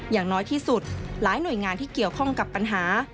อย่างน้อยที่สุดหลายหน่วยงานที่เกี่ยวข้องกับปัญหา